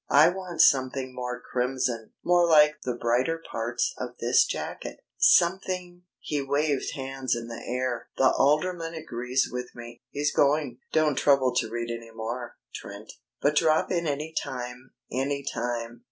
I want something more crimson, more like the brighter parts of this jacket, something " He waved hands in the air. "The alderman agrees with me. He's going. Don't trouble to read any more, Trent. But drop in any time any time.